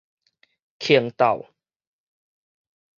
窮鬥